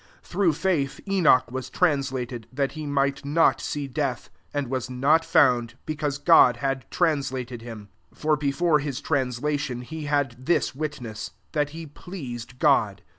5 Through faith, Enoch was translated, that he might not see death ; and was not found,, because God had translated him: for before [hisl translation he had this witness, that he pleased God.